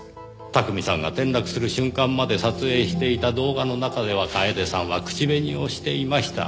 巧さんが転落する瞬間まで撮影していた動画の中では楓さんは口紅をしていました。